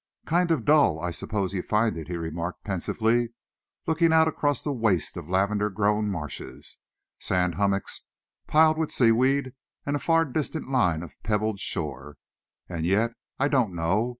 "Kind of dull I suppose you find it," he remarked pensively, looking out across the waste of lavender grown marshes, sand hummocks piled with seaweed, and a far distant line of pebbled shore. "And yet, I don't know.